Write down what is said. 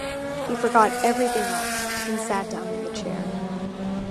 He forgot everything else, and sat down in the chair.